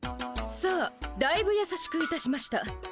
さあだいぶやさしくいたしました。